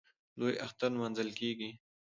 لوی اختر نماځل کېږي.